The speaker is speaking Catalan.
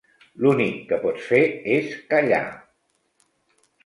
L'únic que pots fer és callar.